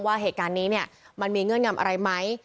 ว่าเหตุการณ์นี้มันมีเงื่อนงำอะไรไหม